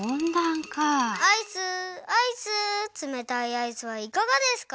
アイスアイスつめたいアイスはいかがですか？